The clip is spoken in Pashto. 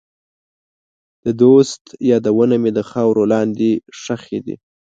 د دوست یادونه مې د خاورې لاندې ښخې دي.